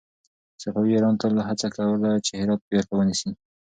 صفوي ایران تل هڅه کوله چې هرات بېرته ونيسي.